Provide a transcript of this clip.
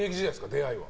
出会いは。